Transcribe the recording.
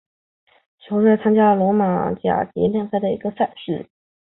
球队现在参加罗马尼亚足球甲级联赛的赛事。